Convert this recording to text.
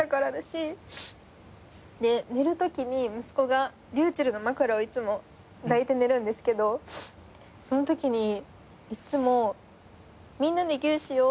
で寝るときに息子がｒｙｕｃｈｅｌｌの枕をいつも抱いて寝るんですけどそのときにいつも「みんなでぎゅうしよう。